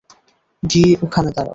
গিয়ে ওখানে দাঁড়াও।